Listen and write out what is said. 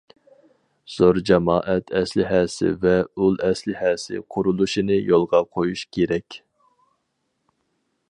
زور جامائەت ئەسلىھەسى ۋە ئۇل ئەسلىھەسى قۇرۇلۇشىنى يولغا قويۇش كېرەك.